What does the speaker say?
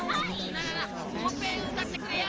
なあなあなあもっぺんうたってくれよ！